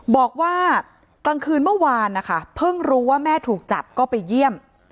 บอกว่ากลางคืนเมื่อวานนะคะเพิ่งรู้ว่าแม่ถูกจับก็ไปเยี่ยม